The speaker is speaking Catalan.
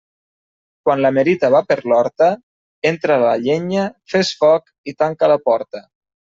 Quan la merita va per l'horta, entra la llenya, fes foc i tanca la porta.